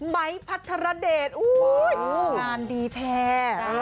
ไม้พัทรเดชงานดีแท้